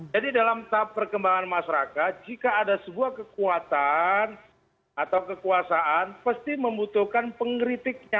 jadi dalam tahap perkembangan masyarakat jika ada sebuah kekuatan atau kekuasaan pasti membutuhkan pengkritiknya